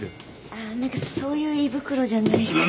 ああ何かそういう胃袋じゃないかな。